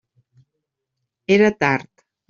Era tard.